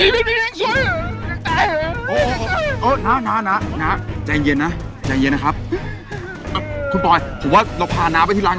รักยี่ยงต้นได้เลย